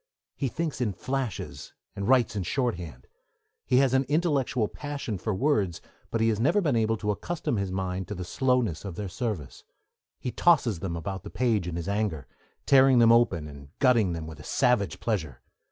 He thinks in flashes, and writes in shorthand. He has an intellectual passion for words, but he has never been able to accustom his mind to the slowness of their service; he tosses them about the page in his anger, tearing them open and gutting them with a savage pleasure.